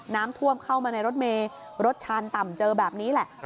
น้ำท่วมเข้ามาในรถเมย์รถชานต่ำเจอแบบนี้แหละ